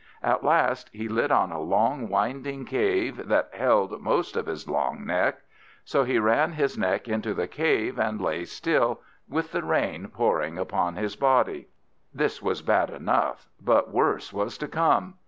At last he lit on a long winding cave that held most of his long neck. So he ran his neck into the cave, and lay still, with the rain pouring upon his body. This was bad enough, but worse was to come.